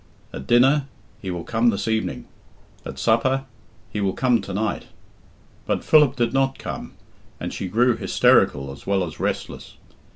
At dinner, "He will come this evening." At supper, "He will come tonight." But Philip did not come, and she grew hysterical as well as restless.